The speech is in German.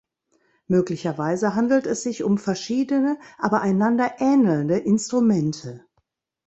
Möglicherweise handelt es sich um verschiedene, aber einander ähnelnde Instrumente.